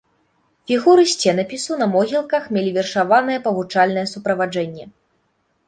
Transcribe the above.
Фігуры сценапісу на могілках мелі вершаванае павучальнае суправаджэнне.